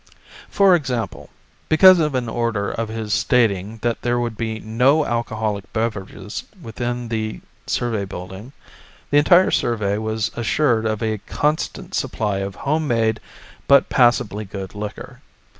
For example, because of an order of his stating that there would be no alcoholic beverages within the survey building, the entire survey was assured of a constant supply of home made, but passably good liquor.